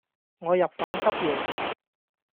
我入房執野